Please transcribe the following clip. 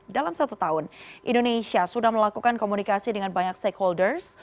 dalam satu tahun indonesia sudah melakukan komunikasi dengan banyak stakeholders